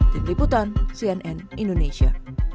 tim liputan cnn indonesia